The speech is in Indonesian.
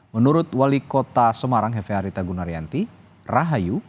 menurut wali kota semarang hefe arita gunaryanti rahayu